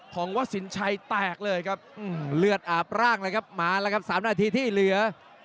ของวัดสินชัยแตกเลยครับเลือดอาบร่างเลยครับมาแล้วครับ๓นาทีที่เหลือ